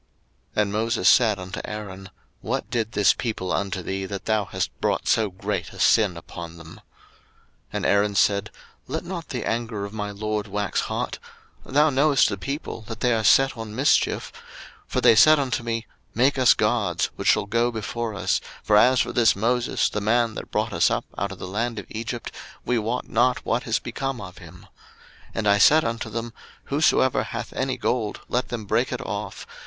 02:032:021 And Moses said unto Aaron, What did this people unto thee, that thou hast brought so great a sin upon them? 02:032:022 And Aaron said, Let not the anger of my lord wax hot: thou knowest the people, that they are set on mischief. 02:032:023 For they said unto me, Make us gods, which shall go before us: for as for this Moses, the man that brought us up out of the land of Egypt, we wot not what is become of him. 02:032:024 And I said unto them, Whosoever hath any gold, let them break it off.